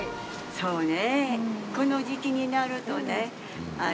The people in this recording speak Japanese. そうねぇ。